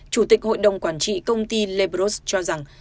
chủ tịch hội đồng quản trị công ty lebros cho rằng